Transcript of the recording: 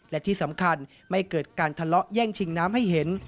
และที่สำคัญไม่เกิดการทะเลาะแย่งชิงน้ำให้เห็น